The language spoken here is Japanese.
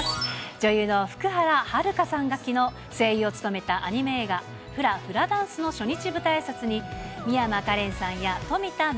女優の福原遥さんがきのう、声優を務めたアニメ映画、フラ・フラダンスの初日舞台あいさつに美山加恋さんや富田望